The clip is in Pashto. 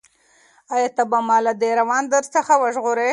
ایا ته به ما له دې روان درد څخه وژغورې؟